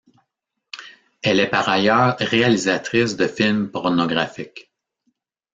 Elle est par ailleurs réalisatrice de films pornographiques.